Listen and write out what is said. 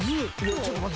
「ちょっと待って。